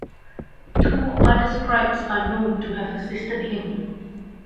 Two other scribes are known to have assisted him.